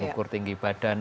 ukur tinggi badan